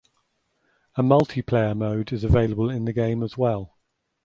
A multiplayer mode is available in the game as well.